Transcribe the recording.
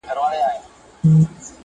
زموږه دوو زړونه دي تل په خندا ونڅيږي.